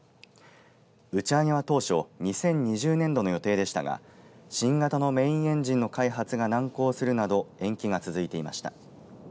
打ち上げは当初２０２０年度の予定でしたが新型のメインエンジンの開発が難航するなど延期が続いていました。